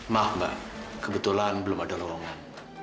maaf bang kebetulan belum ada ruangan